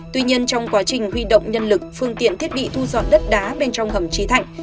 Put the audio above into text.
tuy nhiên trong quá trình huy động nhân lực phương tiện thiết bị thu dọn đất đá bên trong hầm trí thạnh